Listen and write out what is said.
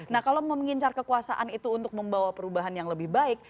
nah kalau mengincar kekuasaan itu untuk membawa perubahan yang lebih baik